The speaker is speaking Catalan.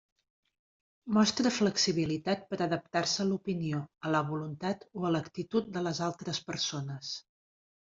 Mostra flexibilitat per adaptar-se a l'opinió, a la voluntat o a l'actitud de les altres persones.